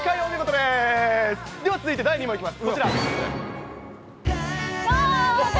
では続いて第２問いきます。